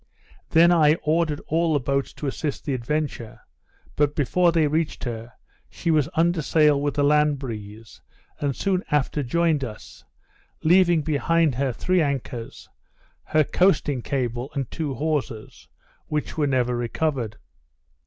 Then I ordered all the boats to assist the Adventure, but before they reached her, she was under sail with the land breeze, and soon after joined us, leaving behind her three anchors, her coasting cable, and two hawsers, which were never recovered.